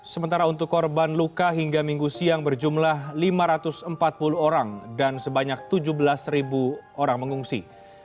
sementara untuk korban luka hingga minggu siang berjumlah lima ratus empat puluh orang dan sebanyak tujuh belas orang mengungsi